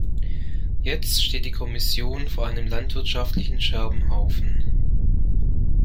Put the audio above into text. Jetzt steht die Kommission vor einem landwirtschaftlichen Scherbenhaufen.